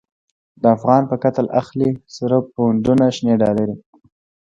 د افغان په قتل اخلی، سره پونډونه شنی ډالری